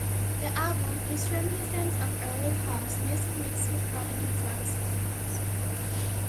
The album is reminiscent of earlier house music mixed with current and progressive sounds.